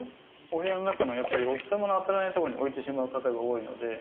お部屋の中のやっぱりお日様の当たらないとこに置いてしまう方が多いので。